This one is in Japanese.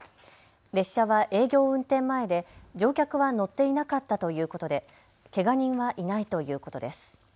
列車は営業運転前で乗客は乗っていなかったということでけが人はいないということです。